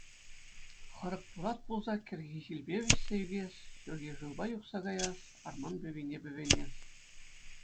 Хӑрӑк турат пулса кӗрхи ҫилпе вӗҫсе ӳкес, ҫурхи шывпа юхса каяс, арман пӗвине пӗвенес.